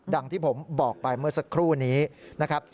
อย่างที่ผมบอกไปเมื่อสักครู่นี้นะครับ